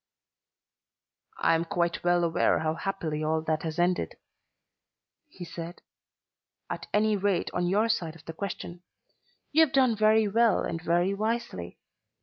"I am quite well aware how happily all that has ended," he said; "at any rate on your side of the question. You have done very well and very wisely.